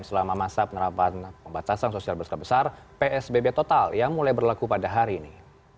selama masa penerapan pembatasan sosial berskala besar psbb total yang mulai berlaku pada hari ini